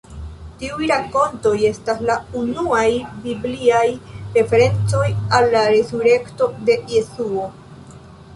Tiuj rakontoj estas la unuaj bibliaj referencoj al la resurekto de Jesuo.